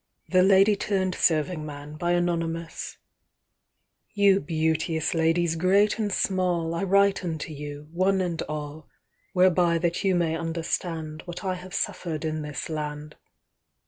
The Lady turned Serving Man IYOU beauteous ladies great and small,I write unto you, one and all, Whereby that you may understandWhat I have suffer'd in this land.